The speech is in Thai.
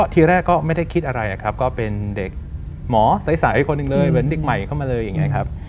ที่แรกก็ไม่ได้คิดอะไรก็เป็นเด็กหมอใส่คนหนึ่งเลยเป็นเด็กใหม่เข้ามาเลย